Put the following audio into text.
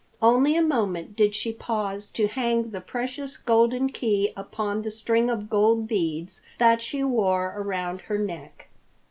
Only a moment did she pause to hang the precious golden key upon the string of gold beads that she wore around her neck.